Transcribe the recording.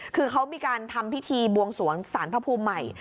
คือเขามีการทำพิธีบวงสวงสารพระภูมิใหม่